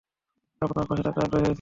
আপনার পাশে থাকতে আগ্রহী হয়েছি।